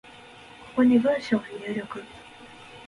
ここに文章を入力